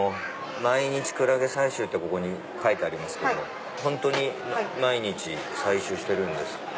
毎日クラゲ採集ってここに書いてありますけども本当に毎日採集してるんですか？